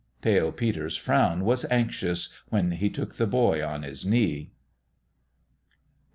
Pale Peter's frown was anxious when he took the boy on his knee.